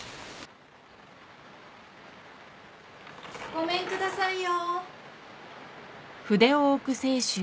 ・・ごめんくださいよ。